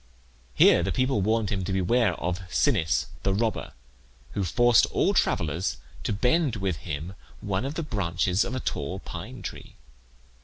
Here the people warned him to beware of Sinnis the robber, who forced all travellers to bend with him one of the branches of a tall pine tree.